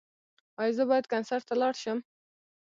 ایا زه باید کنسرت ته لاړ شم؟